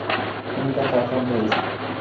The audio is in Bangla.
তিনি তাতে আক্রান্ত হয়েছিলেন।